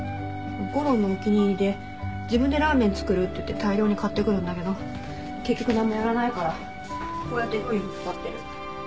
吾良のお気に入りで自分でラーメン作るって言って大量に買ってくるんだけど結局なんもやらないからこうやって料理に使ってる。